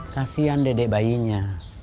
kasihan dedek bayinya